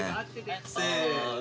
せの。